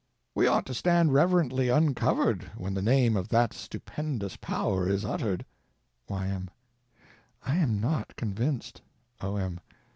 We ought to stand reverently uncovered when the name of that stupendous power is uttered. Y.M. I am not convinced. O.M.